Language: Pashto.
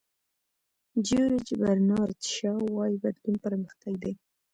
جیورج برنارد شاو وایي بدلون پرمختګ دی.